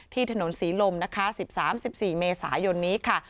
ถนนศรีลมนะคะ๑๓๑๔เมษายนนี้ค่ะ